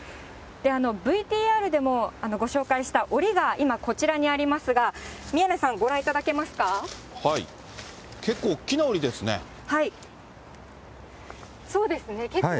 ＶＴＲでもご紹介した、おりが今、こちらにありますが、宮根さん、ご覧いただけますか。